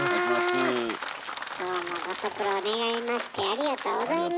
どうもご足労願いましてありがとうございます。